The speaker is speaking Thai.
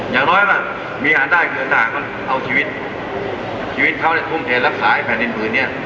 อย่างน้อยว่ามีอาหารได้คือต่างหากมันเอาชีวิตชีวิตเขาเนี่ยทุ่มเทรักษาไอ้แผ่นดินผืนเนี้ย